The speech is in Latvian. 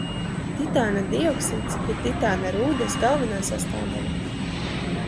Titāna dioksīds ir titāna rūdas galvenā sastāvdaļa.